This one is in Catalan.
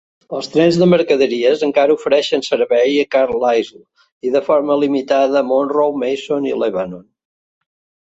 Els trens de mercaderies encara ofereixen servei a Carlisle, i de forma limitada a Monroe, Mason i Lebanon.